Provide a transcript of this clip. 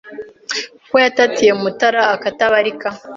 Ko yatatiye Mutara akatabarika